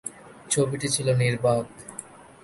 ছবিটি ছিল নির্বাক।